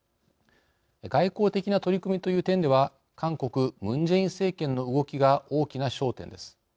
外交的な取り組みという点では韓国ムン・ジェイン政権の動きが大きな焦点です。